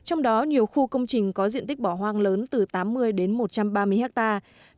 trong đó nhiều khu công trình có diện tích bỏ hoang lớn từ tám mươi đến một trăm ba mươi hectare